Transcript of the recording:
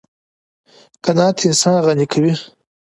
قناعت انسان غني کوي.